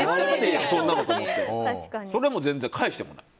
それはもう、全然返してもない。